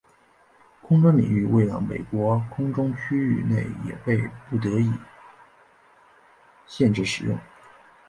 空中区域为了美军空中区域内也被不得已限制使用。